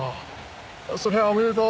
それはおめでとう。